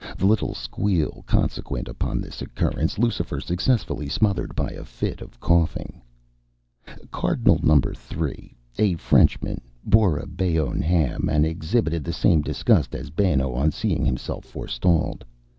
The little squeal consequent upon this occurrence Lucifer successfully smothered by a fit of coughing. Cardinal No. 3, a Frenchman, bore a Bayonne ham, and exhibited the same disgust as Benno on seeing himself forestalled.